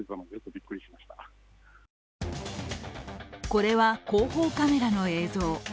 これは後方カメラの映像。